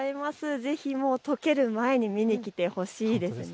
ぜひ、とける前に見に来てほしいですね。